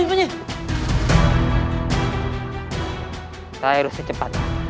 saya harus cepat